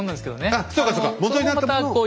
あっそうかそうかもとになったものを。